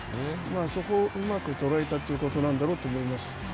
そこをうまく捉えたということなんだろうと思います。